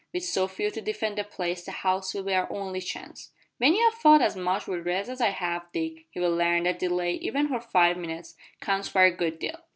With so few to defend the place the house will be our only chance." "When you've fought as much wi' Reds as I have, Dick, you'll larn that delay, even for five minutes, counts for a good deal."